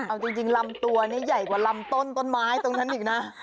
เอาจริงลำตัวนี่ใหญ่กว่าลำต้นต้นไม้ตรงนั้นอีกนะ